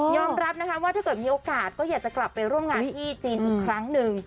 รับนะคะว่าถ้าเกิดมีโอกาสก็อยากจะกลับไปร่วมงานที่จีนอีกครั้งหนึ่ง